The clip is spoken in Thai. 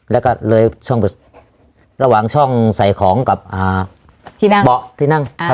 แล้วก็เลยช่องระหว่างช่องใส่ของกับอ่าที่นั่งที่นั่งอ่า